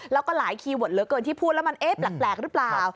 แล้วก็หลายคีย์เวิร์ดเหลือเกินที่พูดแล้วมันเอ๊ะแปลกหรือเปล่า